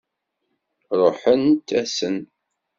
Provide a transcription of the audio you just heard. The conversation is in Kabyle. Ṛuḥent-asen.